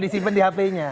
disimpan di hpnya